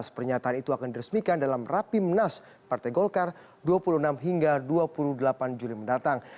pernyataan itu akan diresmikan dalam rapimnas partai golkar dua puluh enam hingga dua puluh delapan juli mendatang